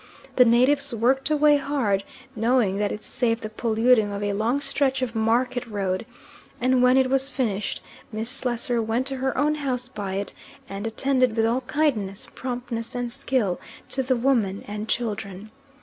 The natives worked away hard, knowing that it saved the polluting of a long stretch of market road, and when it was finished Miss Slessor went to her own house by it and attended with all kindness, promptness, and skill, to the woman and children.